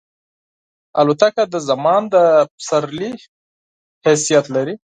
الوتکه د زمان د سپرلۍ حیثیت لري.